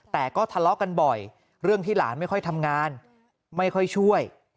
แต่ก็ทะเลาะกันบ่อยเรื่องที่หลานไม่ค่อยทำงานไม่ค่อยช่วย